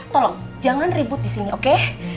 tolong jangan ribut di sini oke